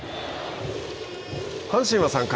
阪神は３回。